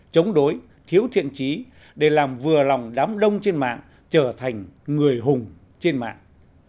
chống đối thiếu thiện trí để làm vừa lòng đám đông trên mạng trở thành người hùng trên mạng